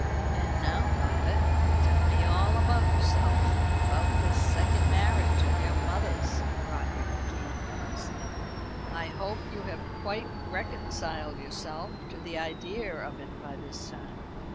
"And now, Violet, tell me all about yourself, and about this second marriage of your mother's," Roderick began earnestly; "I hope you have quite reconciled yourself to the idea of it by this time."